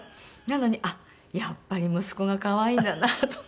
なのにあっやっぱり息子が可愛いんだなと思って。